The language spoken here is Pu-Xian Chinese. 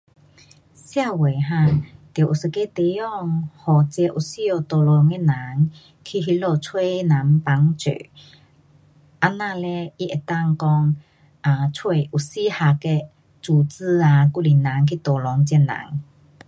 社会哈，得有一个地方，给这有需要 tolong 的人去那里找人帮助。这样嘞，他能够讲啊，找有适合的组织啊还是人去 tolong 这人。